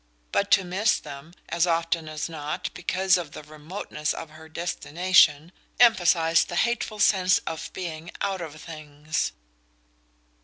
but to miss them, as often as not, because of the remoteness of her destination, emphasized the hateful sense of being "out of things."